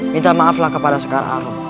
minta maaflah kepada sekarang